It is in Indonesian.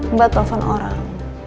mbak telfon orang